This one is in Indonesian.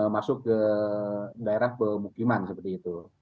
masuk ke daerah pemukiman seperti itu